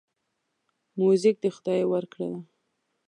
موزیک د خدای ورکړه ده.